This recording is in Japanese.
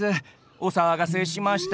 お騒がせしました。